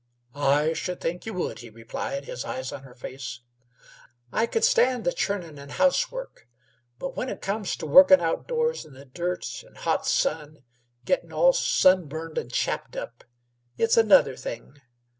"I sh'd think y' would," he replied, his eyes on her face, "I c'd stand the churnin' and housework, but when it comes t' workin' outdoors in the dirt an' hot sun, gettin' all sunburned and chapped up, it's another thing.